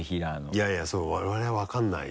いやいやそう我々は分からない。